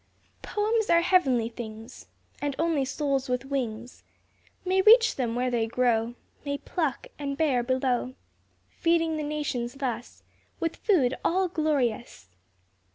Poems are heavenly things, And only souls with wings May reach them where they grow, May pluck and bear below, Feeding the nations thus With food all glorious.